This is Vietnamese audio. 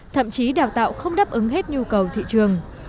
thậm chí đào tạo không đáp ứng hết nhu cầu thị trường